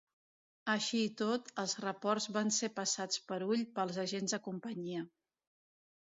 Així i tot, els reports van ser passats per ull pels agents de Companyia.